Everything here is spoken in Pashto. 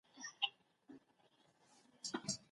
عیدي ورکول ماشومان خوشحالوي.